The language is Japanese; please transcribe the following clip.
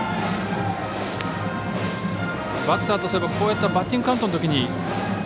バッターとすればこういったバッティングカウントのときに。